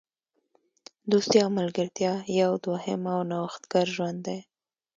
دوستي او ملګرتیا یو دوهم او نوښتګر ژوند دی.